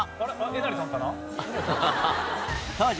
えなりさんかな？